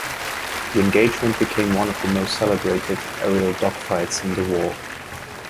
The engagement became one of the most celebrated aerial dogfights in the war.